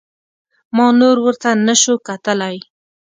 ما نور ورته نسو کتلى.